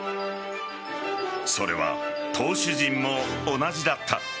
それは投手陣も同じだった。